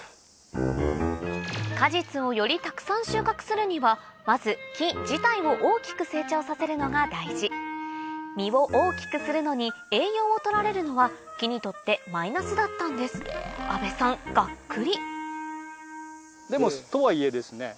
果実をよりたくさん収穫するにはまず木自体を大きく成長させるのが大事実を大きくするのに栄養を取られるのは木にとってマイナスだったんですでもとはいえですね。